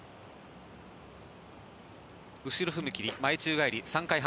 後ろ踏切前宙返り３回半。